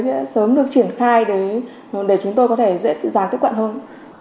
sẽ sớm được triển khai để chúng tôi có thể dễ dàng tiếp cận hơn